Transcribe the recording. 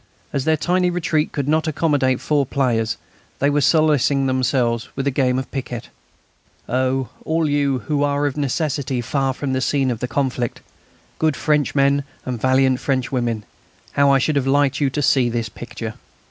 As their tiny retreat could not accommodate four players, they were solacing themselves with a game of piquet. Oh, all you who are of necessity far from the scene of conflict, good Frenchmen and valiant Frenchwomen, how I should have liked you to see this picture!